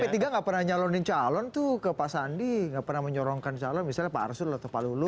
p tiga nggak pernah nyalonin calon tuh ke pak sandi nggak pernah menyorongkan calon misalnya pak arsul atau pak lulu